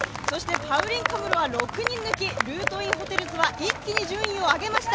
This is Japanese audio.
パウリン・カムルは６人抜き、ルートインホテルズは一気に順位を上げました。